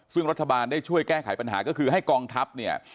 ซึ่งรัฐบาลได้ช่วยแก้ไขปัญหาก็คือให้กองทัพเนี่ย